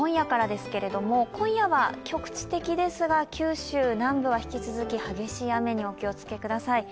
今夜は局地的ですが九州南部は引き続き激しい雨にお気をつけください。